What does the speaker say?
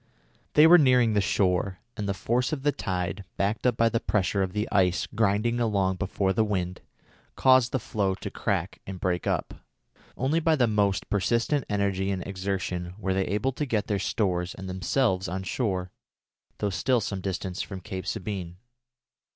They were nearing the shore, and the force of the tide, backed up by the pressure of the ice grinding along before the wind, caused the floe to crack and break up. Only by the most persistent energy and exertion were they able to get their stores and themselves on shore, though still some distance from Cape Sabine.